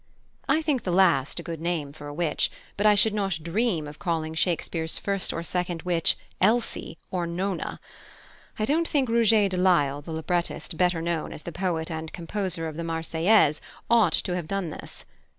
I think the last a good name for a witch, but I should not dream of calling Shakespeare's first or second witch Elsie or Nona. I don't think Rouget de Lisle, the librettist, better known as the poet and composer of the "Marseillaise," ought to have done this.